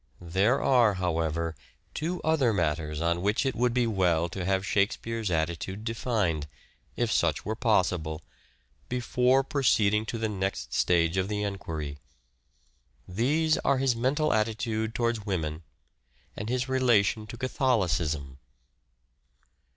There are, however, two other matters on which it would be well to have Shakespeare's attitude defined, if such were possible, before proceeding to the next stage of the 128 " SHAKESPEARE " IDENTIFIED enquiry. These are his mental attitude towards Woman, and his relation to Catholicism.